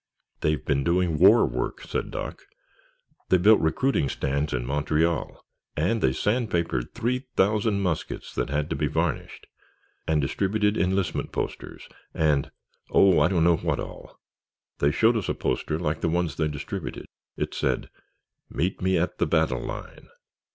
"They've been doing war work," said Doc. "They built recruiting stands in Montreal, and they sand papered three thousand muskets that had to be varnished, and distributed enlistment posters, and—— Oh, I don't know what all. They showed us a poster like the ones they distributed. It said 'Meet me at the battle line.